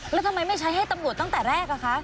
แล้วทำไมไม่ใช้ให้ตำรวจตั้งแต่แรกอะคะ